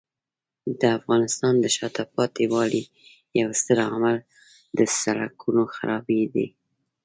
د افغانستان د شاته پاتې والي یو ستر عامل د سړکونو خرابۍ دی.